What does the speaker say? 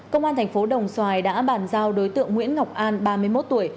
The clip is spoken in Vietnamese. công an thành phố đồng xoài đã bàn giao đối tượng nguyễn ngọc an ba mươi một tuổi